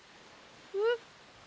えっ？